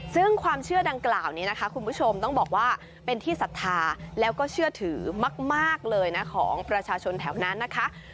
ซึ่งความเชื่อดังกล่าวนี้นะคะคุณผู้ชมต้องบอกว่าเป็นที่ศรัทธาแล้วก็เชื่อถือมากเลยนะของประชาชนแถวนั้นนะคะ